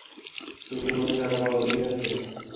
টুকরো করে কাটা পাউরুটি আছে?